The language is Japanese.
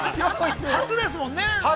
初ですもんね。